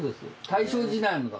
大正時代の。